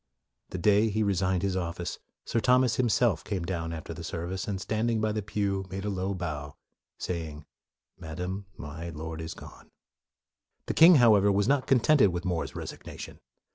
The day after he resigned his office, Sir Thomas himself came down after the service and standing by the pew made a low bow, saying, " Madam, my Lord is gone." The king, however, was not contented with More's resignation.